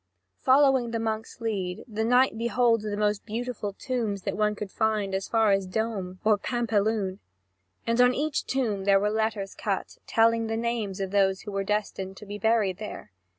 Following the monk's lead, the knight beholds the most beautiful tombs that one could find as far as Dombes or Pampelune; and on each tomb there were letters cut, telling the names of those who were destined to be buried there.